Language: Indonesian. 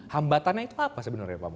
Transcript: hambatannya itu apa sebenarnya pak